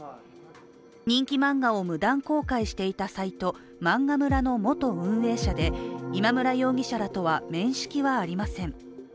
人気漫画を無断公開していたサイト漫画村の元運営者で今村容疑者らとは面識はありません。